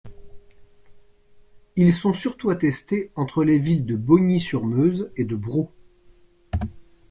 Ils sont surtout attestés entre les villes de Bogny-sur-Meuse et de Brau.